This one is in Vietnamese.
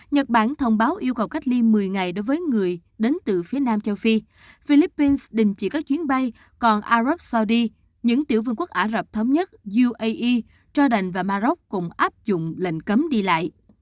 nhật bản thông báo yêu cầu cách ly một mươi ngày đối với người đến từ phía nam châu phi philippines đình chỉ các chuyến bay còn arab soudy những tiểu vương quốc ả rập thống nhất uae johdan và maroc cũng áp dụng lệnh cấm đi lại